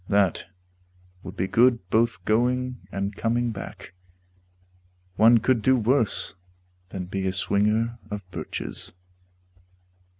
That would be good both going and coming back. One could do worse than be a swinger of birches.